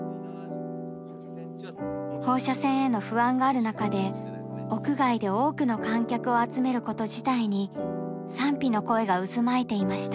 放射線への不安がある中で屋外で多くの観客を集めること自体に賛否の声が渦巻いていました。